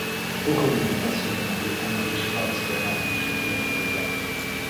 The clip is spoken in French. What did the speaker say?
Aurélien Passeron et Heinrich Haussler ont chuté en fin d'étape.